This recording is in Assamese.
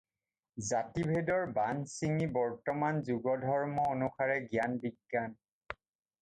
জাতিভেদৰ বান্ধ ছিঙি বৰ্তমান যুগধৰ্ম অনুসাৰে জ্ঞান-বিজ্ঞান